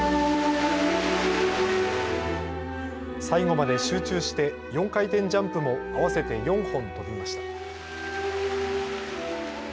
最後まで集中して４回転ジャンプも合わせて４本跳びました。